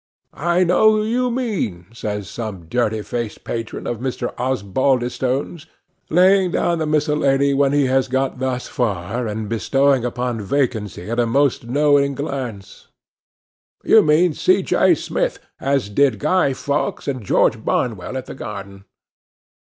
'I know who you mean,' says some dirty faced patron of Mr. Osbaldistone's, laying down the Miscellany when he has got thus far, and bestowing upon vacancy a most knowing glance; 'you mean C. J. Smith as did Guy Fawkes, and George Barnwell at the Garden.